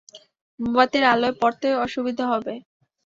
মোমবাতির আলোয় পড়তে অসুবিধা হবে।